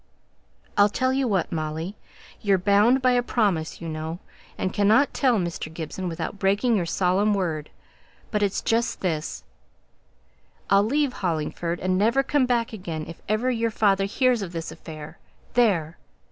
"I'll tell you what, Molly you're bound by a promise, you know, and cannot tell Mr. Gibson without breaking your solemn word but it's just this: I'll leave Hollingford and never come back again, if ever your father hears of this affair; there!"